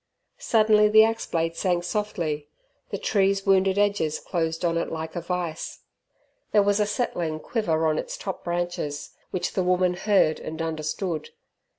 Suddenly the axe blade sank softly, the tree's wounded edges closed on it like a vice. There was a "settling" quiver on its top branches, which the woman heard and understood.